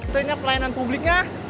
itu ini pelayanan publiknya